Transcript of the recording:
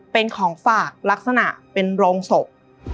เป็นของฝากลักษณะเป็นโรงศพ